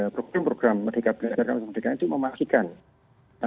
program program merdeka belajar dan masyarakat itu memaksikan